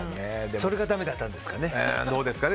それがだめだったんですかね。